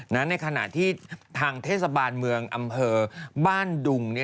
ในขณะที่ทางเทศบาลเมืองอำเภอบ้านดุง